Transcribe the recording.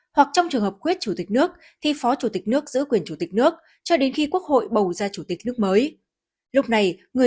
hoặc trong trường hợp quyết chủ tịch nước thì phó chủ tịch nước giữ quyền chủ tịch nước cho đến khi quốc hội bầu ra chủ tịch nước mới